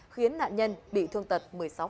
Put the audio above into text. khiến nạn nhân bị thương tật một mươi sáu